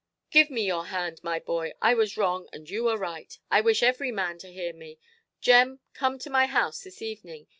"Give me your hand, my boy. I was wrong, and you are right. I wish every man to hear me. Jem, come to my house this evening.